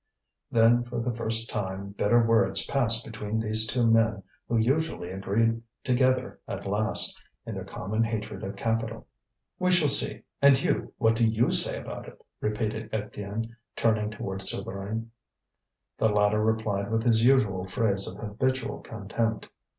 Then for the first time bitter words passed between these two men who usually agreed together at last, in their common hatred of capital. "We shall see! and you, what do you say about it?" repeated Étienne, turning towards Souvarine. The latter replied with his usual phrase of habitual contempt.